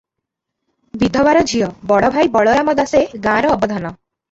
ବିଧବାର ଝିଅ, ବଡ଼ଭାଇ ବଳରାମ ଦାସେ ଗାଁର ଅବଧାନ ।